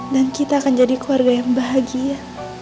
dan kita akan jadi keluarga yang bahagia